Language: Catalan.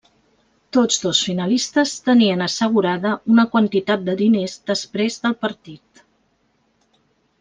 Tots dos finalistes tenien assegurada una quantitat de diners després del partit.